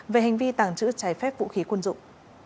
về hành vi tàng trữ trái phép vũ khí quân dụng